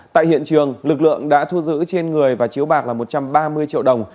tại hiện trường lực lượng đã thu giữ trên người và chiếu bạc là một trăm ba mươi triệu đồng